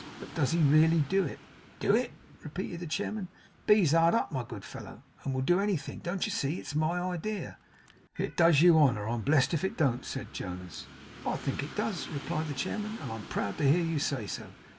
'But does he really do it?' 'Do it!' repeated the chairman. 'B's hard up, my good fellow, and will do anything. Don't you see? It's my idea.' 'It does you honour. I'm blest if it don't,' said Jonas. 'I think it does,' replied the chairman, 'and I'm proud to hear you say so.